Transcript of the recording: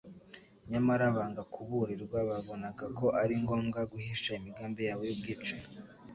Nyamara banga kuburirwa. Babonaga ko ari ngombwa guhisha imigambi yabo y'ubwicanyi,